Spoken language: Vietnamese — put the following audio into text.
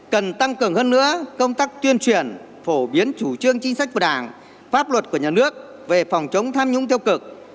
cần tăng cường hơn nữa công tác tuyên truyền phổ biến chủ trương chính sách của đảng pháp luật của nhà nước về phòng chống tham nhũng tiêu cực